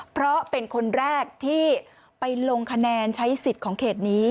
เพราะเป็นคนแรกที่ไปลงคะแนนใช้สิทธิ์ของเขตนี้